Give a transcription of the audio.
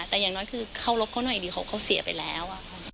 แต่อย่างน้อยคือเคารพเขาหน่อยดีเขาเสียไปแล้ว